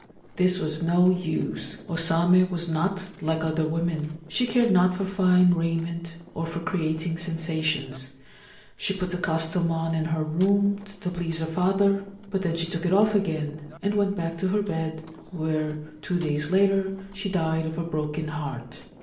This was no use. O Same was not like other women. She cared not for fine raiment or for creating sensations. She put the costume on in her room, to please her father ; but then she took it off again, and went back to her bed, where, two days later, she died of a broken heart.